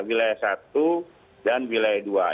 wilayah satu dan wilayah dua